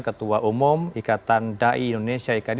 ketua umum ikatan dai indonesia ikd